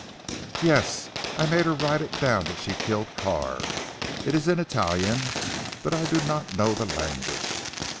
"Yes. I made her write it down that she killed Carr. It is in Italian but I do not know the language.